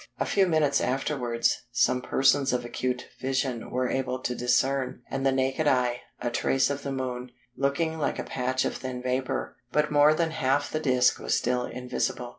A few minutes afterwards, some persons of acute vision were able to discern, with the naked eye, a trace of the Moon, looking like a patch of thin vapour, but more than half the disc was still invisible.